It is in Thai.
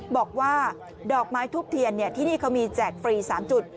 บอกว่าดอกไม้ทูบเทียนที่นี่เขามีแจกฟรี๓จุด